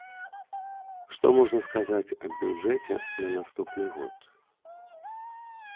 Што можна сказаць аб бюджэце на наступны год?